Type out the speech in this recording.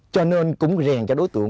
cho nên cũng rèn cho đối tượng